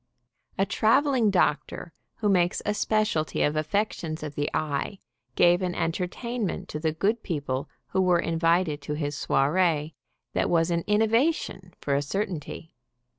A traveling doctor who makes a specialty of affec tions of the eye, gave an entertainment to the good people who were invited to his soiree, that was an in novation, for a certainty.